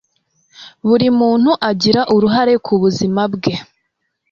buri muntu agira uruhare ku buzima bwe